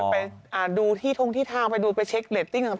ไปเข้าที่สูตรไปดูไปเช็คการ์ลดติ้งต่าง